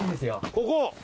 ここ？